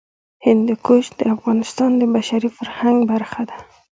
هندوکش د افغانستان د بشري فرهنګ برخه ده.